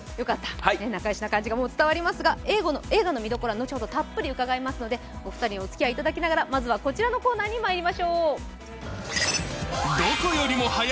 仲良しな感じが伝わりますが、映画の魅力は後ほどたっぷり伺いますので、お二人におつきあいいただきながら、まずはこちらのコーナーにまいりましょう。